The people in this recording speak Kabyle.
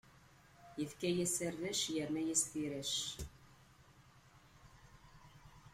Ifka-yas arrac, irna-yas tirac.